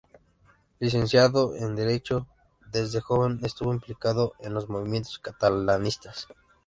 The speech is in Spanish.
Licenciado en derecho, desde joven estuvo implicado en los movimientos catalanistas.